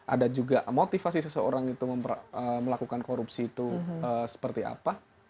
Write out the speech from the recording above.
ada juga motivasi seseorang itu melakukan korupsi itu seperti apa